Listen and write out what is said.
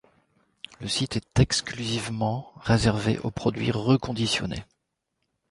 Le site est exclusivement réservé aux produits reconditionnés.